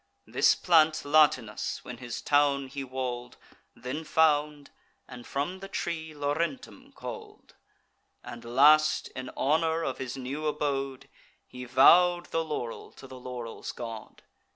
This plant Latinus, when his town he wall'd, Then found, and from the tree Laurentum call'd; And last, in honour of his new abode, He vow'd the laurel to the laurel's god.